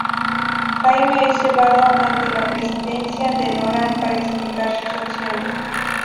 Jaime es llevado ante la presencia de Doran para explicar sus acciones.